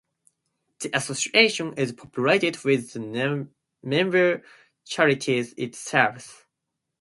The association is populated with the member charities it serves.